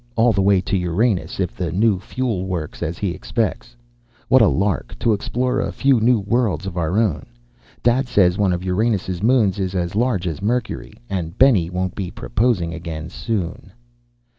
All the way to Uranus, if the new fuel works as he expects. What a lark, to explore a few new worlds of our own! Dad says one of Uranus' moons is as large as Mercury. And Benny won't be proposing again soon!"